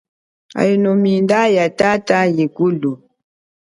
Aino yile minda ya tata liakulu.